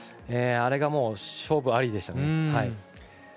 あれが勝負ありでしたね。